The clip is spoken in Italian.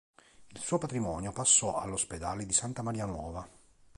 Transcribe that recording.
Il suo patrimonio passò all'Ospedale di Santa Maria Nuova.